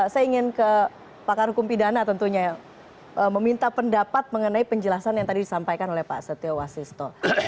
saya ingin ke pakar hukum pidana tentunya yang meminta pendapat mengenai penjelasan yang tadi disampaikan oleh pak setio wasisto